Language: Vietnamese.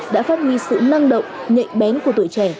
đã phát huy sự năng động nhạy bén của tuổi trẻ